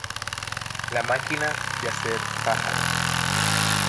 La Máquina de Hacer Pájaros